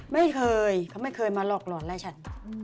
ไม่เคยเขาไม่เคยมาหลอกหลอนไล่ฉัน